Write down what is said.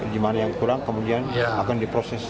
dimana yang kurang kemudian akan diproses